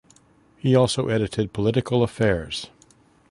He also edited "Political Affairs".